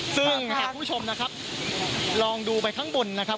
ซึ่งหากคุณผู้ชมนะครับลองดูไปข้างบนนะครับ